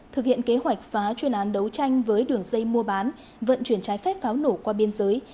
thực hiện kế hoạch phá chuyên án đấu tranh với đường dây mua bán vận chuyển trái phép pháo nổ qua biên giới